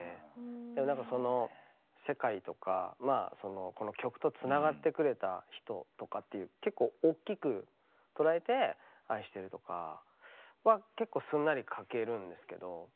でも何かその世界とかまあそのこの曲とつながってくれた人とかっていう結構おっきく捉えて「愛してる」とかは結構すんなり書けるんですけど。